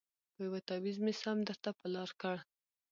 په یوه تعویذ مي سم درته پر لار کړ